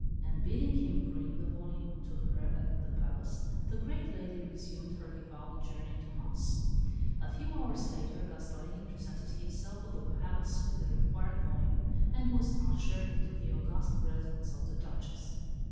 And bidding him bring the volume to her at the palace, the great lady resumed her devout journey to Mass. A few hours later Gasparini presented himself at the palace with the required volume, and was ushered into the august presence of the Duchess.